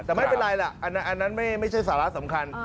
แต่ไม่เป็นไรล่ะอันนั้นไม่ใช่สาระสำคัญ